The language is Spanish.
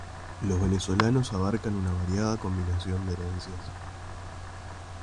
Los venezolanos abarcan una variada combinación de herencias.